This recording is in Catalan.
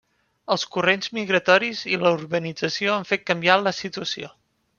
Els corrents migratoris i la urbanització han fet canviar la situació.